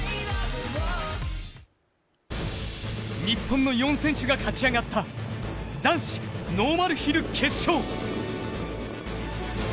日本の４選手が勝ち上がった男子ノーマルヒル決勝。